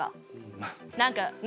何かね